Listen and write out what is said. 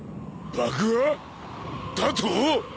爆破だとォ？